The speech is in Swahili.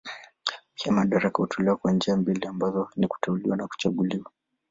Pia madaraka hutolewa kwa njia mbili ambazo ni kuteuliwa na kuchaguliwa.